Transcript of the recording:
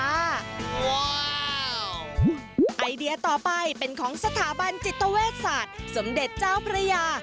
ว้าวไอเดียต่อไปเป็นของสถาบันจิตเวชศาสตร์สมเด็จเจ้าพระยา